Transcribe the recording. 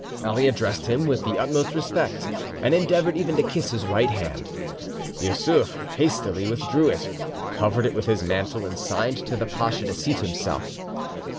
Ali addressed him with the utmost respect, and endeavoured even to kiss his right hand. Yussuf hastily withdrew it, covered it with his mantle, and signed to the pacha to seat himself.